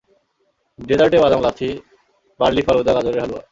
ডেজার্টে বাদাম লাচ্ছি, বার্লি ফালুদা গাজরের হালুয়া।